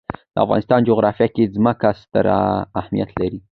د افغانستان جغرافیه کې ځمکه ستر اهمیت لري.